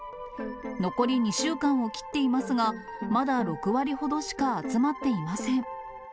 残り２週間を切っていますが、まだ６割ほどしか集まっていません。